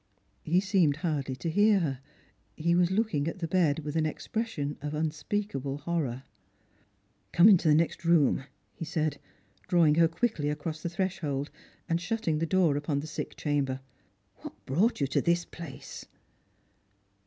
" He seemed hardly to hear her. He was looking at the bed ■with an expression of unspeakable horror. " Come mto the next room," he sajd, drawing her quickly across the threshold, and shutting the door upon the sick chamber. " What brought you to this place